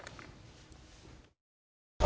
อืม